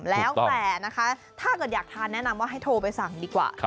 แล้วแต่นะคะถ้าเกิดอยากทานแนะนำว่าให้โทรไปสั่งดีกว่า